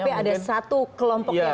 tapi ada satu kelompok yang